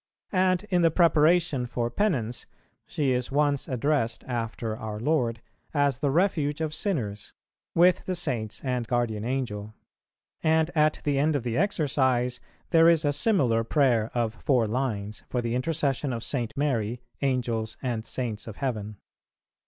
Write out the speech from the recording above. and in the Preparation for Penance, she is once addressed, after our Lord, as the Refuge of sinners, with the Saints and Guardian Angel; and at the end of the Exercise there is a similar prayer of four lines for the intercession of St. Mary, Angels and Saints of heaven.